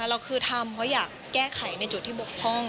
เราคือทำเพราะอยากแก้ไขในจุดที่บกพร่อง